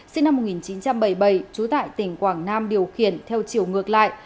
sinh năm một nghìn chín trăm bảy mươi bảy trú tại tỉnh quảng nam điều khiển theo chiều ngược lại